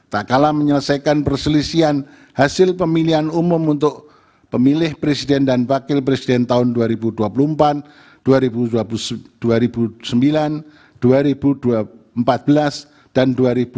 tak kalah menyelesaikan perselisihan hasil pemilihan umum untuk pemilih presiden dan wakil presiden tahun dua ribu dua puluh empat dua ribu sembilan dua ribu empat belas dan dua ribu sembilan belas